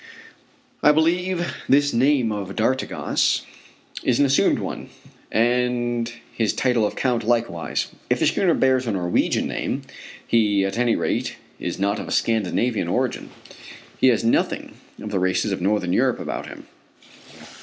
I believe this name of d'Artigas is an assumed one, and his title of Count likewise. If his schooner bears a Norwegian name, he at any rate is not of Scandinavian origin. He has nothing of the races of Northern Europe about him.